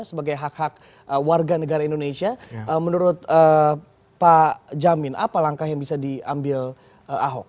sebagai hak hak warga negara indonesia menurut pak jamin apa langkah yang bisa diambil ahok